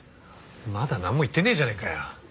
まだなんも言ってねえじゃねえかよ。